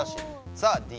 さあＤ